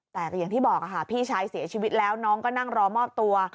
แต่เห็นบอกพี่ชายเสียชีวิตแล้วน้องก็นั่งรอมอบตัว